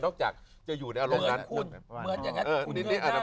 นอกจากจะอยู่ในอารมณ์นั้น